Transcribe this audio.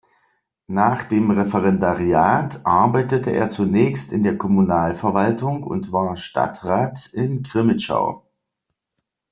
Nach dem Referendariat arbeitete er zunächst in der Kommunalverwaltung und war Stadtrat in Crimmitschau.